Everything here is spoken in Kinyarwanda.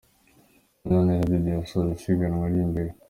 Munyaneza Didier asoza isiganwa ari imbere.